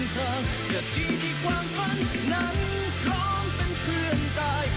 แต่ที่ที่ความฝันนั้นพร้อมเป็นเพื่อนตาย